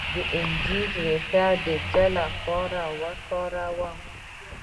د زنجبیل ریښه د څه لپاره وکاروم؟